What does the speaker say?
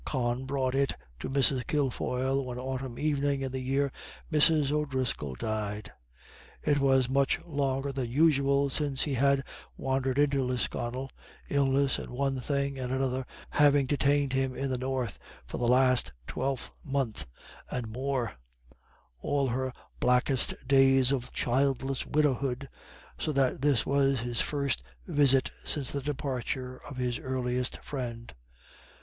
Con brought it to Mrs. Kilfoyle one autumn evening in the year Mrs. O'Driscoll died. It was much longer than usual since he had wandered into Lisconnel, illness and one thing and another having detained him in the North for the last twelvemonth and more all her blackest days of childless widowhood so that this was his first visit since the departure of his earliest friend.